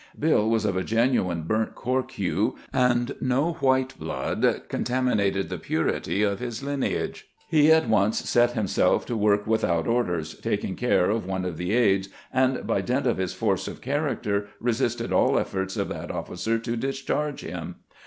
Bill was of a genuine burnt cork hue, and no white blood contaminated the purity of his lineage. He at once set himself to work without orders, taking care of one of the aides, and by dint of his force of character resisted all efforts of that officer to discharge him.